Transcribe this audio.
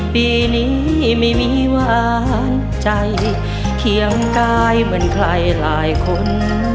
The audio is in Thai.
ปีนี้ไม่มีหวานใจเคียงกายเหมือนใครหลายคน